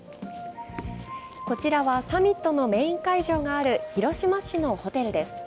こちらはサミットのメイン会場のある広島市のホテルです。